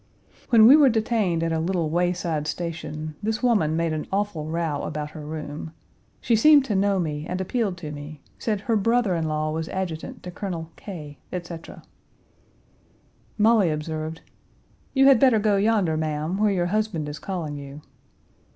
When we were detained at a little wayside station, this woman made an awful row about her room. She seemed to know me and appealed to me; said her brother in law was adjutant to Colonel K , etc. Molly observed, "You had better go yonder, ma'am, where your husband is calling you."